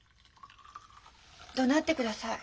どなってください。